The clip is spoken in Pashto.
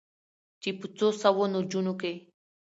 چې په څو سوو نجونو کې